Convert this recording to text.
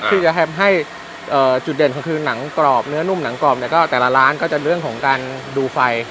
ที่จะทำให้จุดเด่นของคือหนังกรอบเนื้อนุ่มหนังกรอบเนี่ยก็แต่ละร้านก็จะเรื่องของการดูไฟ